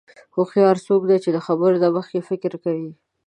هوښیار څوک دی چې د خبرو نه مخکې فکر کوي.